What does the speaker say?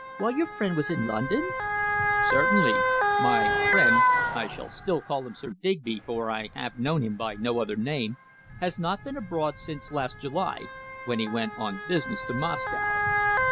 "While your friend was in London?" "Certainly. My friend I shall still call him Sir Digby, for I have known him by no other name has not been abroad since last July, when he went on business to Moscow."